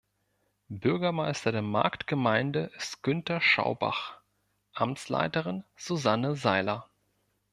Bürgermeister der Marktgemeinde ist Günter Schaubach, Amtsleiterin Susanne Sailer.